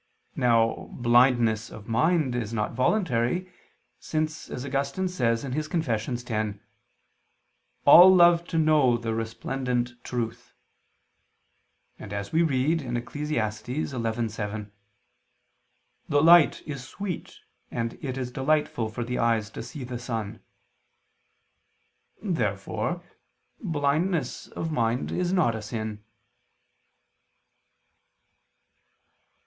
Now blindness of mind is not voluntary, since, as Augustine says (Confess. x), "all love to know the resplendent truth," and as we read in Eccles. 11:7, "the light is sweet and it is delightful for the eyes to see the sun." Therefore blindness of mind is not a sin.